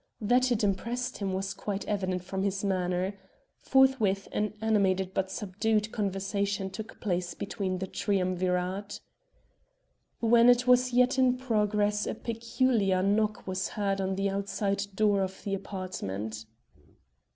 That it impressed him was quite evident from his manner. Forthwith an animated but subdued conversation took place between the triumvirate. While it was yet in progress a peculiar knock was heard on the outside door of the apartment.